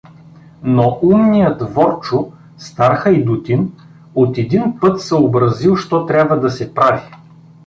Но умният Ворчо, стар хайдутин, от един път съобразил що трябва да се прави.